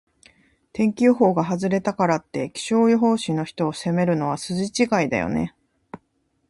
天気予報が外れたからって、気象予報士の人を責めるのは筋違いだよね。